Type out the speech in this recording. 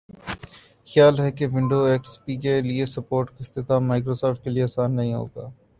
خیال ہے کہ ونڈوز ایکس پی کے لئے سپورٹ کااختتام مائیکروسافٹ کے لئے آسان نہیں ہوگا